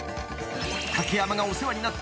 ［竹山がお世話になった］